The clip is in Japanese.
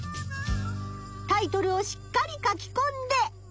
タイトルをしっかり書きこんで。